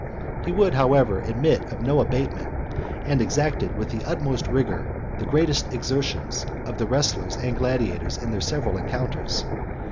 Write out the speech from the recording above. He would, however, admit, of no abatement, and exacted with the utmost rigour the greatest exertions of the wrestlers and gladiators in their several encounters.